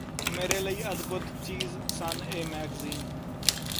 ਮੇਰੇ ਲਈ ਅਦਭੁੱਤ ਚੀਜ਼ ਸਨ ਇਹ ਮੈਗ਼ਜ਼ੀਨ